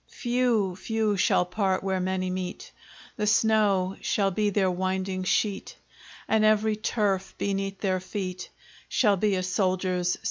Few, few shall part where many meet! The snow shall be their winding sheet, And every turf beneath their feet Shall be a soldier's sepulchre.